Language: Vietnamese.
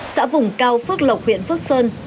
xã vùng cao phước lộc huyện phước sơn